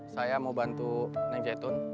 saya mau bantu neng zaitun